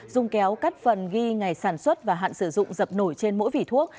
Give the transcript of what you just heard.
dùng kéo cắt phần ghi ngày sản xuất và hạn sử dụng dập nổi trên mỗi vỉ thuốc